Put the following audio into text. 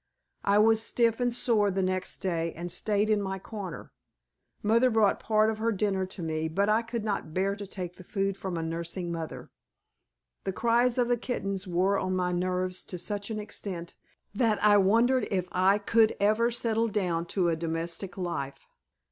I was stiff and sore the next day and stayed in my corner. Mother brought part of her dinner to me, but I could not bear to take the food from a nursing mother. The cries of the kittens wore on my nerves to such an extent that I wondered if I could ever settle down to a domestic life.